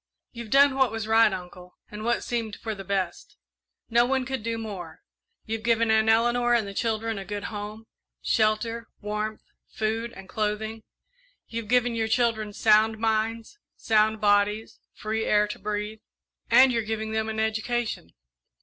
"You've done what was right, Uncle, and what seemed for the best no one could do more. You've given Aunt Eleanor and the children a good home shelter, warmth, food, and clothing. You've given your children sound minds, sound bodies, free air to breathe, and you're giving them an education.